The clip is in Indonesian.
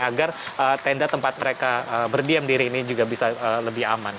agar tenda tempat mereka berdiam diri ini juga bisa lebih aman